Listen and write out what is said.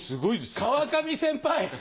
川上先輩！